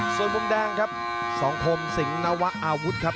ส่วนภูมิแดงครับส่องพรมสิงห์นวะอาวุฒครับ